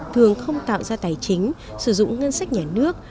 thường không tạo ra tài chính sử dụng ngân sách nhà nước